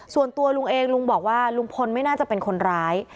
ส่วนตัวลุงเองลุงบอกว่าลุงพลไม่น่าจะเป็นคนร้าย